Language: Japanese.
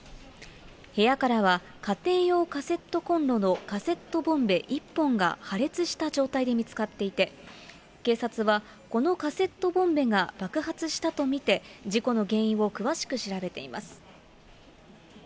部屋からは家庭用カセットコンロのカセットボンベ１本が破裂した状態で見つかっていて、警察はこのカセットボンベが爆発したと見て、事故の原因を詳しく調べています。